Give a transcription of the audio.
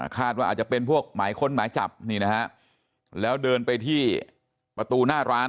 ว่าอาจจะเป็นพวกหมายค้นหมายจับนี่นะฮะแล้วเดินไปที่ประตูหน้าร้าน